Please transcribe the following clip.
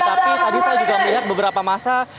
tapi tadi saya juga melihat beberapa masa